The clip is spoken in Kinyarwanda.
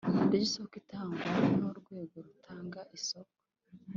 Ry isoko itangwa n urwego rutanga isoko